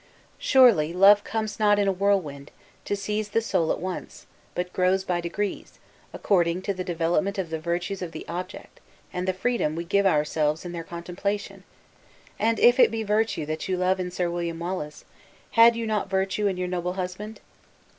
Surely, love comes not in a whirlwind, to seize the soul at once; but grows by degrees, according to the development of the virtues of the object, and the freedom we give ourselves in their contemplation and, if it be virtue that you love in Sir William Wallace, had you not virtue in your noble husband?"